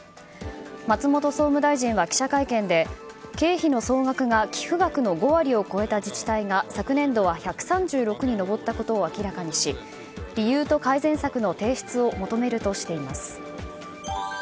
松本総務大臣は、記者会見で経費の総額が寄付額の５割を超えた自治体が昨年度は１３６に上ったことを明らかにし理由と改善策の提出を求めるとしています。